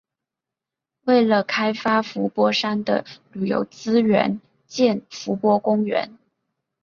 为了开发伏波山的旅游资源建伏波公园。